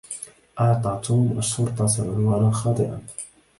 أعطى توم الشرطة عنوانا خاطئا.